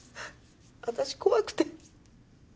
私怖くて。